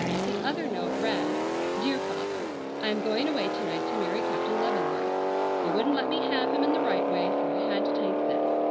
The other note read: "DEAR FATHER:—I am going away to night to marry Captain Leavenworth. You wouldn't let me have him in the right way, so I had to take this.